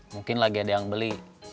mungkin lagi ada yang beli